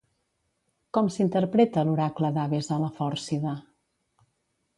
Com s'interpreta l'oracle d'Abes a la Fòrcida?